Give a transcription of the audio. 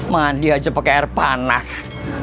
mandi aja pakai air panas